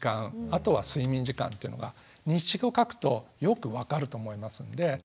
あとは睡眠時間というのが日誌を書くとよく分かると思いますんで。